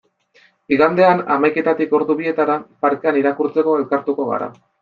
Igandean, hamaiketatik ordu bietara, parkean irakurtzeko elkartuko gara.